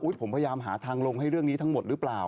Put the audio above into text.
ผมพยายามหาทางลงให้เรื่องนี้ทั้งหมดหรือเปล่า